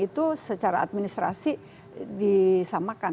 itu secara administrasi disamakan